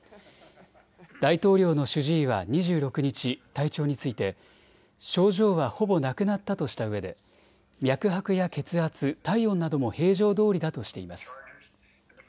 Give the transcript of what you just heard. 大統領の主治医は２６日、体調について症状はほぼなくなったとしたうえで脈拍や血圧、体温なども平常どおりだとしています。